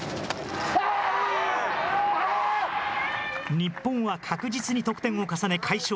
日本は確実に得点を重ね快勝。